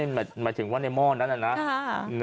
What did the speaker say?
หมายถึงว่าในหม้อนั้นน่ะนะ